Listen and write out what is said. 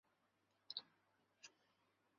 英宗时升为南康知府。